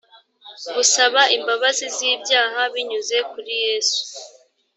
gusaba imbabazi z’ibyaha binyuze kuri yesu